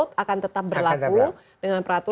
jadi sampai desember tahun ini kita sudah mencabut